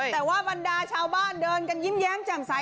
แต่ว่าบรรดาชาวบ้านเดินกันยิ้มแย้มแจ่มใส